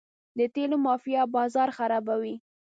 د تیلو مافیا بازار خرابوي.